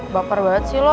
baper banget sih lo